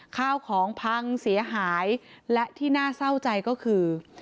ข้าวของพังเสียหายและที่น่าเศร้าใจก็คือ